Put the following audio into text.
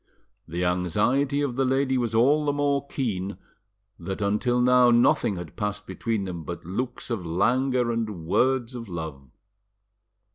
The anxiety of the lady was all the more keen, that until now nothing had passed between them but looks of languor and words of love.